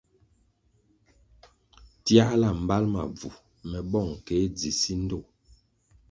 Tiahla mbal ma bvu me bong ke dzi si ndtoh.